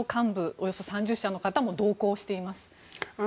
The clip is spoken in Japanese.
およそ３０社の方も同行しています。